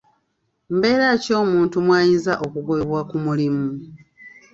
Mbeera ki omuntu mw'ayinza okugobebwa ku mulimu?